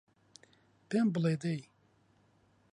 پێم بڵێ دەی